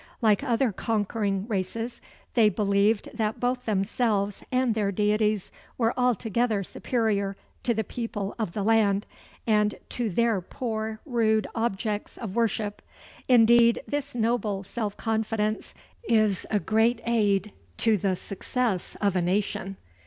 Like other conquering races, they believed that both themselves and their deities were altogether superior to the people of the land, and to their poor, rude objects of worship. Indeed, this noble self confidence is a great aid to the success of a nation.